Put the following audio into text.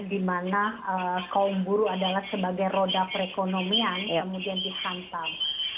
di mana kaum buru adalah sebagai roda perekonomian kemudian dihantam